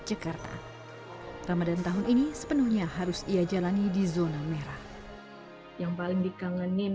jakarta ramadan tahun ini sepenuhnya harus ia jalani di zona merah yang paling dikangenin